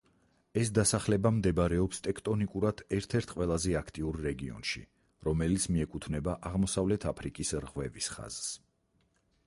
ეს დასახლება მდებარეობს ტექტონიკურად ერთ-ერთ ყველაზე აქტიურ რეგიონში, რომელიც მიეკუთვნება აღმოსავლეთ აფრიკის რღვევის ხაზს.